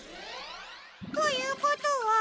ということは。